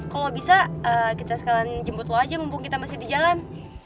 kalau nggak bisa kita sekalian jemput lo aja mumpung kita masih di jalan